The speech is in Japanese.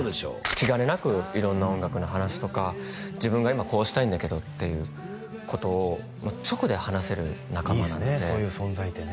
気兼ねなく色んな音楽の話とか自分が今こうしたいんだけどっていうことを直で話せる仲間なんでいいっすね